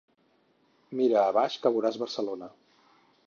Mira a baix, que veuràs Barcelona.